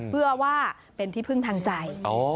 เพื่อว่าเป็นที่พึ่งทางใจ